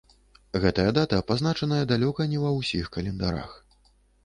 Гэтая дата пазначаная далёка не ва ўсіх календарах.